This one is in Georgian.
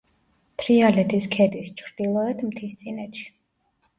თრიალეთის ქედის ჩრდილოეთ მთისწინეთში.